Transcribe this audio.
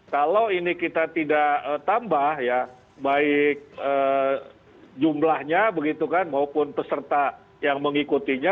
kalau ini kita tidak tambah ya baik jumlahnya begitu kan maupun peserta yang mengikutinya